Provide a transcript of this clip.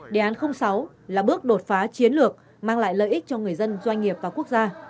đề án sáu là bước đột phá chiến lược mang lại lợi ích cho người dân doanh nghiệp và quốc gia